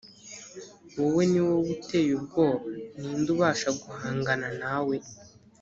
wowe ni wowe uteye ubwoba ni nde ubasha guhangana nawe